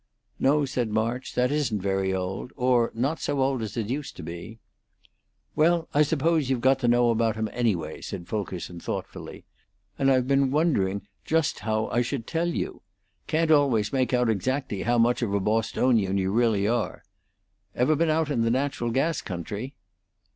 "No," said March, "that isn't very old or not so old as it used to be." "Well, I suppose you've got to know about him, anyway," said Fulkerson, thoughtfully. "And I've been wondering just how I should tell you. Can't always make out exactly how much of a Bostonian you really are! Ever been out in the natural gas country?"